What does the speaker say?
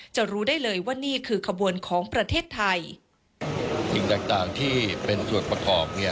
จะรู้ได้เลยว่านี่คือกระบวนของประเทศไทย